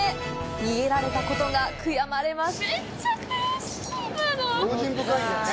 逃げられたことが悔やまれます。